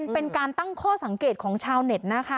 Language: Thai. เป็นการตั้งข้อสังเกตของชาวเน็ตนะคะ